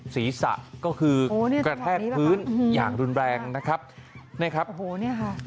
ศีรษะก็คือกระแทกพื้นอย่างรุนแรงนะครับเนี่ยครับโอ้โหเนี่ยค่ะ